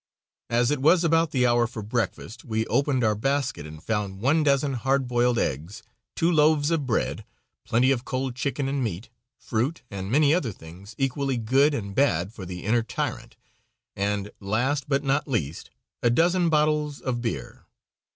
As it was about the hour for breakfast, we opened our basket and found one dozen hard boiled eggs, two loaves of bread, plenty of cold chicken and meat, fruit and many other things equally good and bad for the inner tyrant, and last, but not least, a dozen bottles of beer.